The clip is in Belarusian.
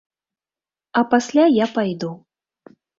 А пасля я пайду.